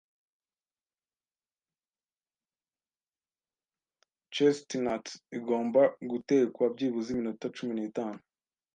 Chestnuts igomba gutekwa byibuze iminota cumi n'itanu.